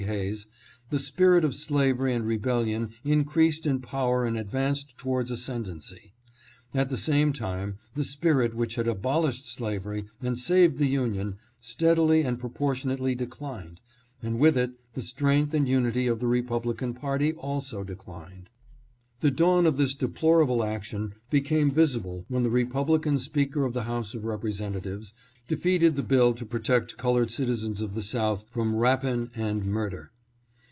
Hayes, the spirit of slavery and rebellion increased in power and advanced towards ascendency. At the same time, the spirit which had abolished slavery and saved the Union steadily and proportionately declined, and with it the strength and unity of the Republican party also declined. The dawn of this deplorable action became visible when the Republican Speaker of the House of Representa tives defeated the bill to protect colored citizens of the South from rapine and murder.